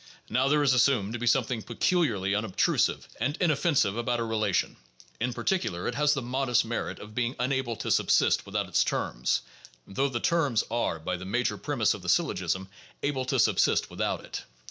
Now, there is assumed to be something peculiarly unobtrusive and inoffensive about a relation ; in particular, it has the modest merit of being unable to subsist without its terms, though the terms are (by the major premise of the syllogism) able to subsist without it.